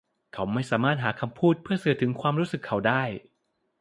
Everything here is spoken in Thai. เขาไม่สามารถหาคำพูดเพื่อสื่อถึงความรู้สึกเขาได้